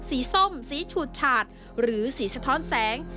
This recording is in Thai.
ส้มสีฉูดฉาดหรือสีสะท้อนแสง